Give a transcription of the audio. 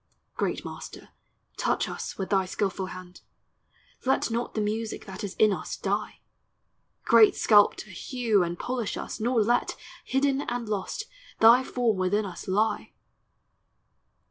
Great Master, touch us with thy skilful hand; Let not the music that is in us die ! Great Sculptor, hew and polish us; nor let, Hidden and lost, thy form within us lie!